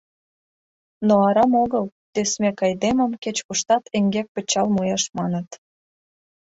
Но арам огыл «Тӧсмӧк айдемым кеч-куштат эҥгек кычал муэш» маныт.